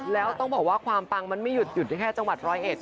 แล้วต้องบอกว่าความปังมันไม่หยุดหยุดแค่จังหวัดร้อยเอ็ด